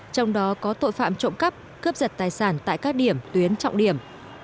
trong đó có tội phạm trộm cắp cướp giật tài sản tại các điểm tuyến trọng điểm